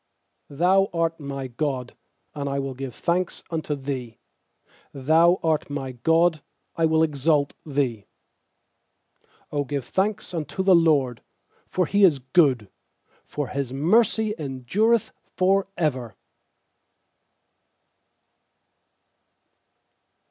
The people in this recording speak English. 28Thou art my God, and I will give thanks unto Thee; Thou art my God, I will exalt Thee. 29Q give thanks unto the LORD, for He is good, For His mercy endureth for ever.